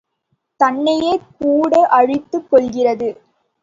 தன்னையே கூட அழித்துக் கொள்கிறது.